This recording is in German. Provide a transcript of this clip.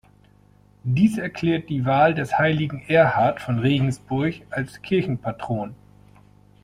Dies erklärt die Wahl des heiligen Erhard von Regensburg als Kirchenpatron.